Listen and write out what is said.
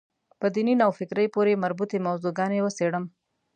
په دیني نوفکرۍ پورې مربوطې موضوع ګانې وڅېړم.